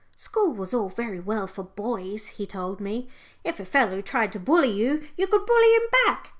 School was all very well for boys, he told me. If a fellow tried to bully you, you could bully him back.